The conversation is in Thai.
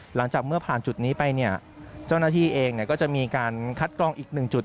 หลังจากเมื่อผ่านจุดนี้ไปเนี่ยเจ้าหน้าที่เองก็จะมีการคัดกรองอีกหนึ่งจุด